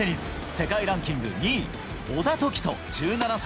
世界ランキング２位・小田凱人、１７歳。